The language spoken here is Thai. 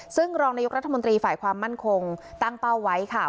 ซึ่งรองนายกรัฐมนตรีฝ่ายความมั่นคงตั้งเป้าไว้ค่ะ